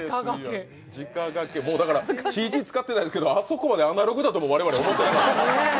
ＣＧ使ってないですけど、あそこまでアナログだと我々も思わなかった。